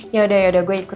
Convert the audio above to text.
yaudah yaudah gue ikut